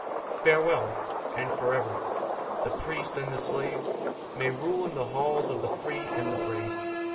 Farewell, and for ever. The priest and the slave May rule in the halls of the free and the brave.